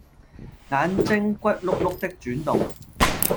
眼睛骨碌碌的轉動